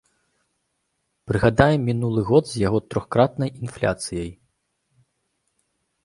Прыгадаем мінулы год з яго трохкратнай інфляцыяй.